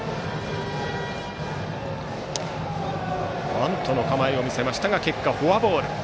バントの構えを見せましたが結果、フォアボール。